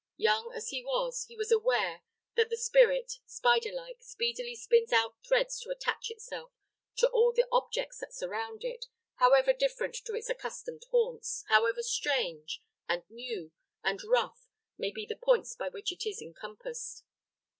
Young as he was, he was aware that the spirit, spider like, speedily spins out threads to attach itself to all the objects that surround it, however different to its accustomed haunts, however strange, and new, and rough may be the points by which it is encompassed.